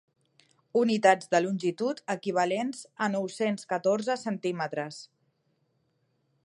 Unitats de longitud equivalents a nou-cents catorze centímetres.